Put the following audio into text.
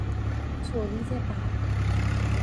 تولید برق